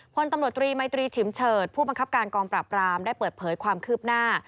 พลตำรวจตรีมัยตรีฉิมเฉิดผู้บังคับการกองปราบรามได้เปิดเผยความคืบหน้า